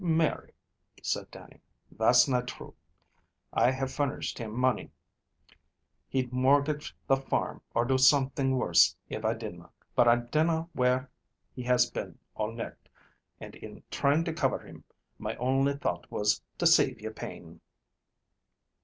"Mary," said Dannie, "that's na true. I have furnished him money. He'd mortgage the farm, or do something worse if I didna; but I dinna WHERE he has been all nicht, and in trying to cover him, my only thought was to save ye pain."